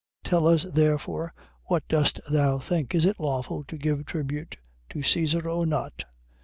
Tell us therefore what dost thou think? Is it lawful to give tribute to Caesar, or not?